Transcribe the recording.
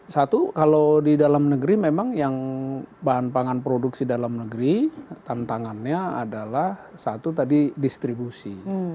satu kalau di dalam negeri memang yang bahan pangan produksi dalam negeri tantangannya adalah satu tadi distribusi